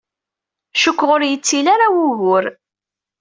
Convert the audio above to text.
Cukkteɣ ur yettili ara wugur.